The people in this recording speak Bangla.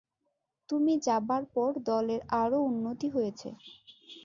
তুমি যাবার পর দলের আরও উন্নতি হয়েছে।